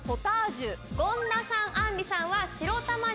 権田さんあんりさんは。